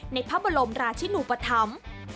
ในพระบรมราชินูปธรรม